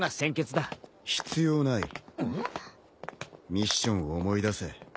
ミッションを思い出せ。